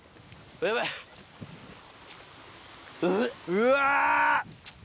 うわ！